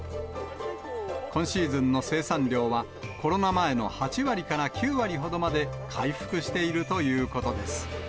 今シーズンの生産量は、コロナ前の８割から９割ほどまで回復しているということです。